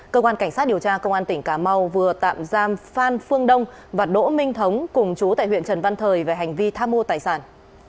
cơ quan cảnh sát điều tra công an tỉnh cà mau vừa tạm giam phan phương đông và đỗ minh thống cùng chú tại huyện trần văn thời về hành vi tham mô tài sản